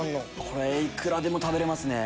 これいくらでも食べれますね。